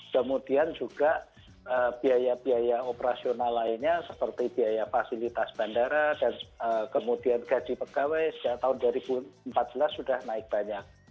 kemudian juga biaya biaya operasional lainnya seperti biaya fasilitas bandara dan kemudian gaji pegawai sejak tahun dua ribu empat belas sudah naik banyak